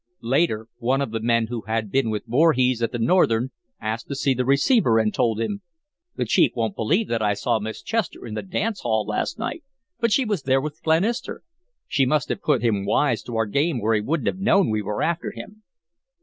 Later, one of the men who had been with Voorhees at the Northern asked to see the receiver and told him: "The chief won't believe that I saw Miss Chester in the dance hall last night, but she was there with Glenister. She must have put him wise to our game or he wouldn't have known we were after him."